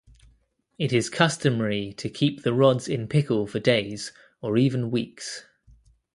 It is customary to keep the rods in pickle for days or even weeks.